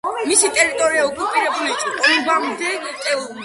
მისი ტერიტორია ოკუპირებული იყო კოლუმბამდელი ტომებით.